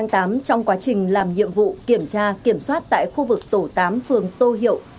ngày ba tám trong quá trình làm nhiệm vụ kiểm tra kiểm soát tại khu vực tổ tám phường tô hiệu